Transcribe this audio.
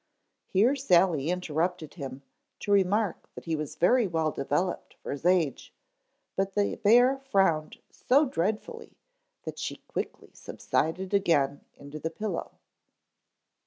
Here Sally interrupted him to remark that he was very well developed for his age, but the hear frowned so dreadfully that she quickly subsided again into the pillow.